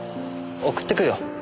送ってくよ。